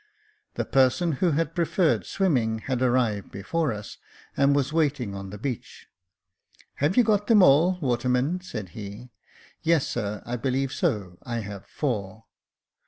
The person who had preferred swimming had arrived before us, and was waiting on the beach. " Have you got them all, waterman ?" said he. " Yes, sir, I believe so ; I have four."